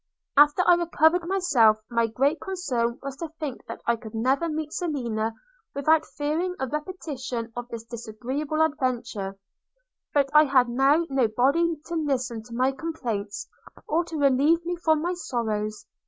After I recovered myself, my greatest concern was to think that I could never meet Selina without fearing a repetition of this disagreeable adventure; but I had now nobody to listen to my complaints, or to relieve me from my sorrows.